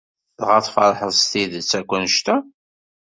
Dɣa tfeṛḥeḍ s tidet akk anect-a?